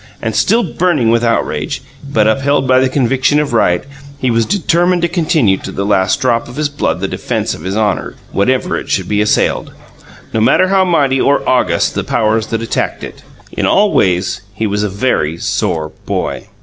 And, still burning with outrage, but upheld by the conviction of right, he was determined to continue to the last drop of his blood the defense of his honour, whenever it should be assailed, no matter how mighty or august the powers that attacked it. In all ways, he was a very sore boy.